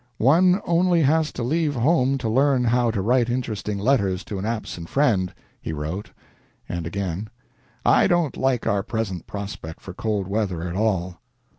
"One only has to leave home to learn how to write interesting letters to an absent friend," he wrote; and again. "I don't like our present prospect for cold weather at all."